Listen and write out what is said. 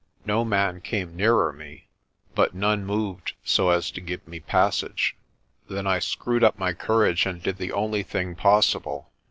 No man came nearer me, but none moved so as to give me passage. Then I screwed up my courage and did the only thing possible.